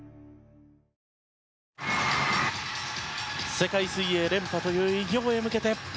世界水泳連覇という偉業へ向けて。